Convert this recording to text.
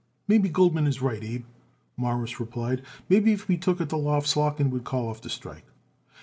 "Maybe Goldman is right, Abe," Morris replied. "Maybe if we took it the loft Slotkin would call off the strike."